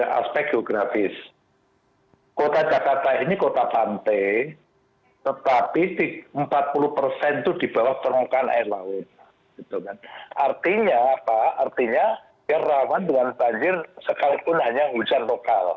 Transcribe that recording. masyarakat harus bertanggung jawab juga terhadap banjir